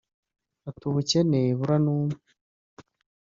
Ati “ubukene buranuma